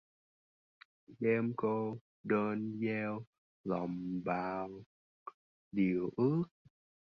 Đêm cô đơn gieo lòng bao điều ước